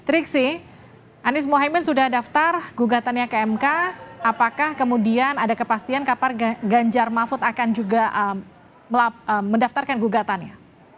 triksi anies mohaimin sudah daftar gugatannya ke mk apakah kemudian ada kepastian kapan ganjar mahfud akan juga mendaftarkan gugatannya